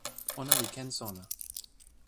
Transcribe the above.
ona li ken sona.